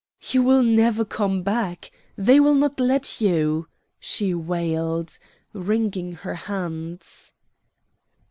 "You will never come back. They will not let you," she wailed, wringing her hands.